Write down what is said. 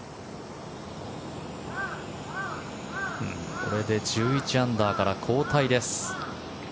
これで１１アンダーから後退です。